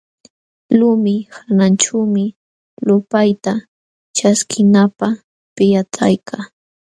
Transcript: Lumi hananćhuumi lupayta ćhaskinanapq pillatayka.